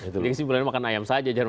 jadi simpulnya makan ayam saja